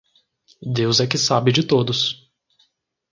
Deus é que sabe de todos.